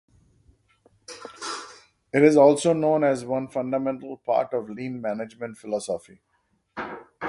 It is also known as one fundamental part of Lean management philosophy.